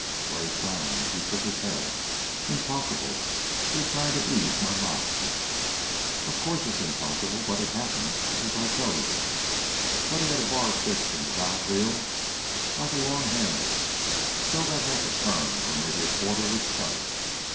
Gray frowned, he shook his head. "Impossible. You're trying to ease my mind." "Of course it's impossible. But it happened, just as I tell you. Buddy had a bar fixed in the valve wheel, like a long handle, so that a half turn, or maybe a quarter, would shut it.